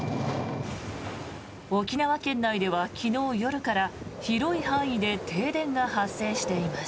沖縄県内では昨日夜から広い範囲で停電が発生しています。